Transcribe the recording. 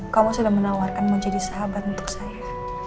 kamu sudah menawarkan mau jadi sahabat untuk saya